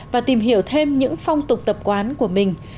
và tìm hiểu thêm những phong tục tập quán của mình